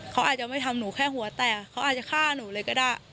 เขาอาจจะไม่ทำหนูแค่หัวแตกเขาอาจจะฆ่าหนูเลยก็ได้